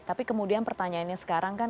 tapi kemudian pertanyaannya sekarang kan